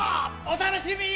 お楽しみに！